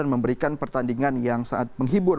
dan memberikan pertandingan yang saat menghibur